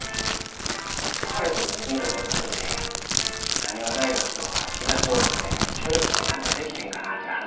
彼とＯＢ会で会うた時浪速大学と東大阪で協力して何かできひんかなっていう話になってな。